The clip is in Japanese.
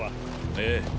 ええ。